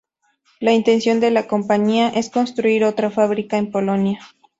La intención de la compañía es construir otra fábrica en Polonia.